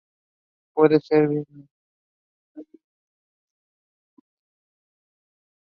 Claude was member of the District Club since its inception.